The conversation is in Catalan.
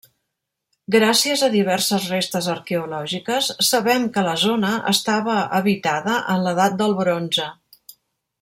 Gràcies a diverses restes arqueològiques sabem que la zona estava habitada en l'edat de Bronze.